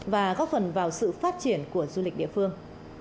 và góp phần vào sự phát triển của du lịch địa phương